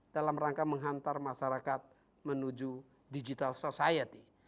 dalam rangka menghantar masyarakat menuju digital society